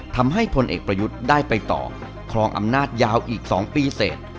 พลเอกประยุทธ์ได้ไปต่อครองอำนาจยาวอีก๒ปีเสร็จ